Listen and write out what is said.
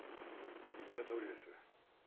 言ったとおりです